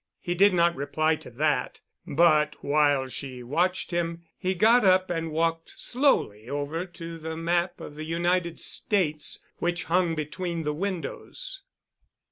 He did not reply to that, but, while she watched him, he got up and walked slowly over to the map of the United States which hung between the windows.